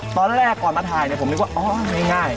ตอนแรกก่อนมาถ่ายเนี่ยผมนึกว่าอ๋อง่าย